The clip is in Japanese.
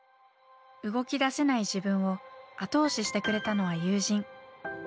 動き出せない自分を後押ししてくれたのは友人。